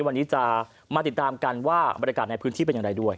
วันนี้จะมาติดตามกันว่าบรรยากาศในพื้นที่เป็นอย่างไรด้วย